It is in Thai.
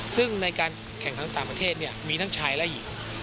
ซึ่งในการแข่งทั้งต่างประเทศมีทั้งชายและหญิง